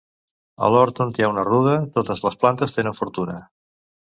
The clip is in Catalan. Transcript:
A l'hort on hi ha una ruda totes les plantes tenen fortuna.